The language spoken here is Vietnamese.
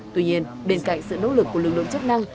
tuy nhiên bên cạnh sự nỗ lực của lực lượng chức năng